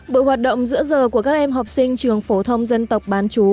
bộ hoạt động giữa giờ của các em học sinh trường phổ thông dân tộc bán chú